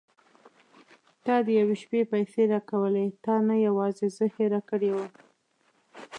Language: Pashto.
تا د یوې شپې پيسې راکولې تا نه یوازې زه هېره کړې وم.